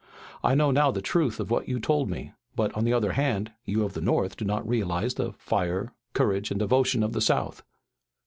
I know now the truth of what you told me, but, on the other hand, you of the North do not realize the fire, courage and devotion of the South."